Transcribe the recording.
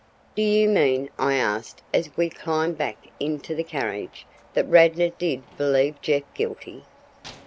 "Do you mean," I asked as we climbed back into the carriage, "that Radnor did believe Jeff guilty?"